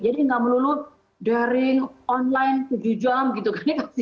jadi nggak melulu dari online tujuh jam gitu kan ya